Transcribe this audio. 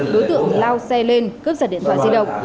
đối tượng lao xe lên cướp giật điện thoại di động